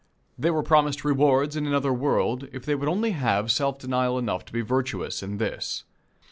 They were promised rewards in another world, if they would only have self denial enough to be virtuous in this.